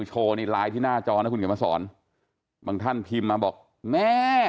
ใช่ค่ะ